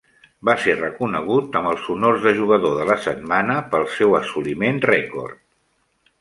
Va ser reconegut amb els honors de Jugador de la Setmana pel seu assoliment rècord.